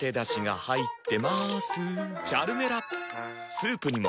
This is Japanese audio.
スープにも。